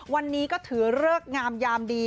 วันนี้ก็ถือเลิกงามยามดี